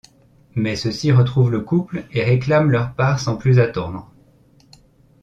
Mais ceux-ci retrouvent le couple et réclament leur part sans plus attendre.